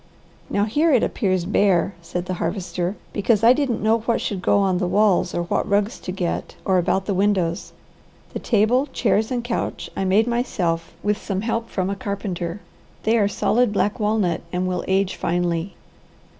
"Now here it appears bare," said the Harvester, "because I didn't know what should go on the walls or what rugs to get or about the windows. The table, chairs, and couch I made myself with some help from a carpenter. They are solid black walnut and will age finely."